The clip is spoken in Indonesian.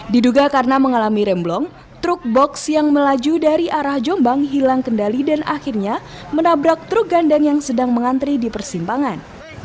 diduga karena mengalami remblong truk box yang melaju dari arah jombang hilang kendali dan akhirnya menabrak truk gandang yang sedang mengantri di persimpangan